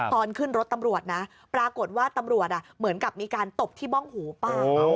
ตอนขึ้นรถตำรวจนะปรากฏว่าตำรวจเหมือนกับมีการตบที่บ้องหูป้า